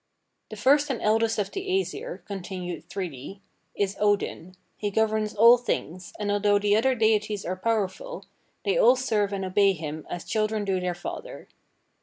"The first and eldest of the Æsir," continued Thridi, "is Odin. He governs all things, and, although the other deities are powerful, they all serve and obey him as children do their father.